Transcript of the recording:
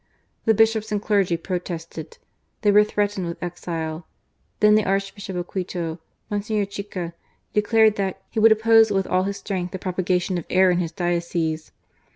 The Bishops and clergy protested ; they were threatened with exile ; then the Archbishop of Quito, Mgr. Cb6ca, declared that " he would oppose with all his strength the propagation of error in his diocese."